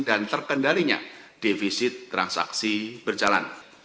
dan terkendalinya defisit transaksi berjalan